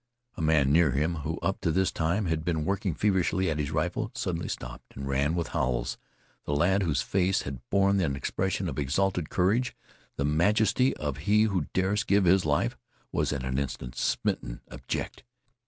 A man near him who up to this time had been working feverishly at his rifle suddenly stopped and ran with howls. A lad whose face had borne an expression of exalted courage, the majesty of he who dares give his life, was, at an instant, smitten abject.